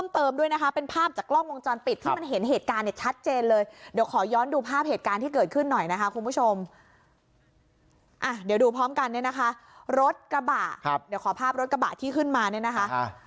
เดี๋ยวขอภาพรถกระบะที่ขึ้นมานี่นะคะ